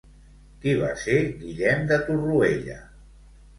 Qui va ser Guillem de Torroella?